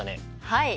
はい。